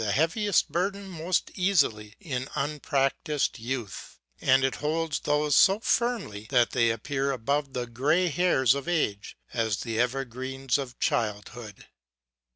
371 heaviest burdens most easily in unpractised youth, and it holds those so firmly that they appear above the gray hairs of age as the evergreens of childhood.